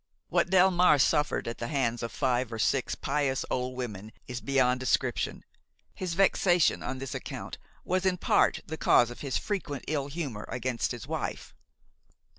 What Delmare suffered at the hands of five or six pious old women is beyond description. His vexation on this account was in part the cause of his frequent ill humor against his wife.